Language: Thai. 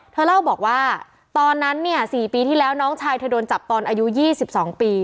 เธอเล่าบอกว่าตอนนั้นเนี่ย๔ปีที่แล้วน้องชายเธอโดนจับตอนอายุ๒๒ปี